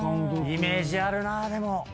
イメージあるなでも。